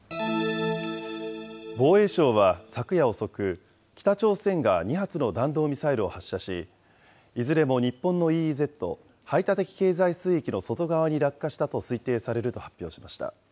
防衛省は昨夜遅く、北朝鮮が２発の弾道ミサイルを発射し、いずれも日本のＥＥＺ・排他的経済水域の外側に落下したと推定されると発表しました。